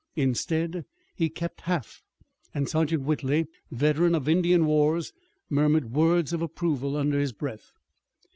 Instead, he kept half, and Sergeant Whitley, veteran of Indian wars, murmured words of approval under his breath.